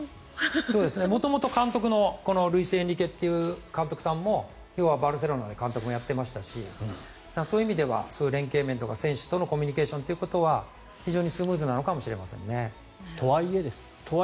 元々、監督のルイス・エンリケという監督さんもバルセロナの監督もやっていましたしそういう意味では連係面とか選手のコミュニケーションというのは非常にスムーズなのかもしれないですね。とはいえです